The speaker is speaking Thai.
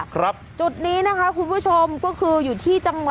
จุดนี้นะคะคุณผู้ชมก็คืออยู่ที่จังหวัด